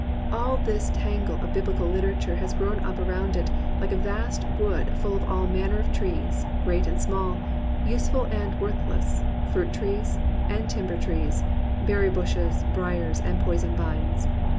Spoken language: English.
All this tangle of Biblical literature has grown up around it like a vast wood full of all manner of trees, great and small, useful and worthless, fruit trees, timber trees, berry bushes, briers, and poison vines.